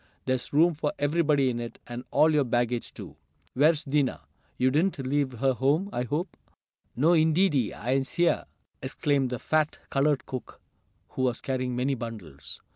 There's room for everybody in it, and all your baggage, too. Where's Dinah? You didn't leave her home, I hope!" "No, indeedy! I'se heah!" exclaimed the fat, colored cook, who was carrying many bundles.